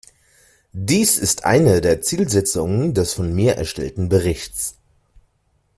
Dies ist eine der Zielsetzungen des von mir erstellten Berichts.